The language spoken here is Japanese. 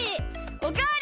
おかわり！